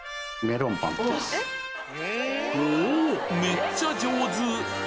めっちゃ上手！